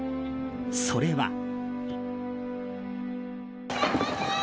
それは。